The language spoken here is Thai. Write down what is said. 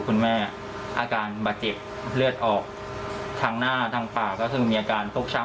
คุณแม่อาการบาดเจ็บเลือดออกทางหน้าทางปากก็คือมีอาการฟกช้ำ